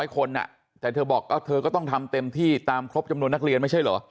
คนแต่เธอบอกเธอก็ต้องทำเต็มที่ตามครบจำนวนนักเรียนไม่ใช่เหรอ